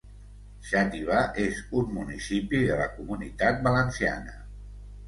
Xàtiva és un municipi de la Comunitat Valenciana